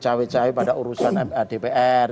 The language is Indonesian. cawe cawe pada urusan dpr